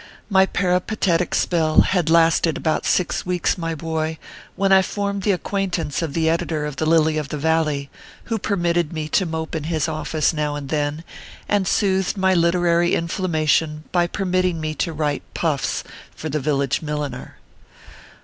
My peripatetic spell had lasted about six weeks, my boy, when I formed the acquaintance of the editor of the Lily of the Valley, who permitted me to mope in his office now and then, and soothed my literary in flammation by permitting me to write " puffs " for the village milliner.